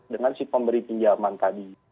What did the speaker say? dengan si pemberi pinjaman tadi